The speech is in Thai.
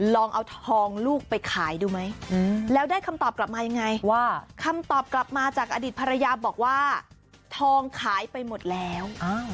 ลองเอาทองลูกไปขายดูไหมแล้วได้คำตอบกลับมายังไงว่าคำตอบกลับมาจากอดีตภรรยาบอกว่าทองขายไปหมดแล้ว